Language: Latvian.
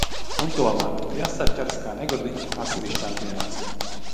Un tomēr tie asari ķērās kā negudri, atsevišķās dienās.